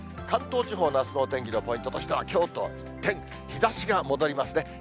関東地方のあすのお天気のポイントとしては、きょうと一転、日ざしが戻りますね。